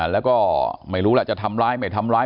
แล้วก็ไม่รู้ล่ะจะทำร้ายไม่ทำร้าย